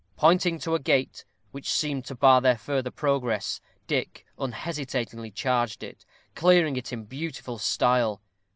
Pointing to a gate which seemed to bar their further progress, Dick unhesitatingly charged it, clearing it in beautiful style.